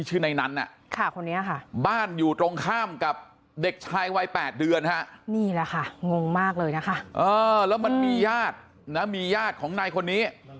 อือแล้วมันมียาดของนายคนนี้